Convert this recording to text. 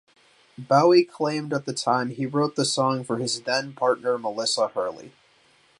Bowie claimed at the time he wrote the song for his then-partner Melissa Hurley.